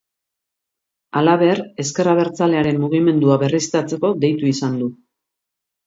Halaber, Ezker Abertzalearen mugimendua berriztatzeko deitu izan du.